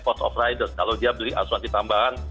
cost of riders kalau dia beli asuransi tambahan